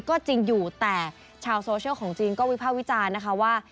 ก็จริงอยู่แต่ชาวโซเชียลของจีนก็วิภาควิจารณ์นะคะว่า